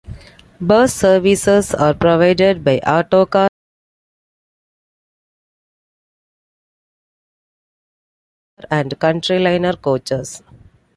Bus services are provided by Autocar and Countryliner Coaches.